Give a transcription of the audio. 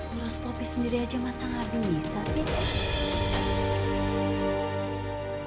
urus popi sendiri aja masa gak bisa sih